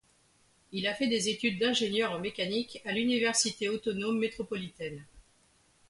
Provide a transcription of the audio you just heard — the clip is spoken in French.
Il a fait des études d’ingénieur en mécanique à l’université autonome métropolitaine.